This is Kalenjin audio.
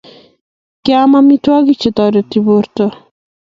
Keam amitwogik che toreti porto